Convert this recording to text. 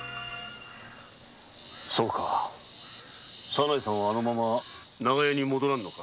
左内さんはあのまま長屋へ戻らんのか。